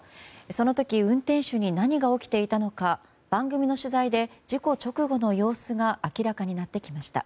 その時運転手に何が起きていたのか番組の取材で事故直後の様子が明らかになってきました。